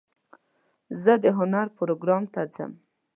زه د هنر پروګرام ته ځم.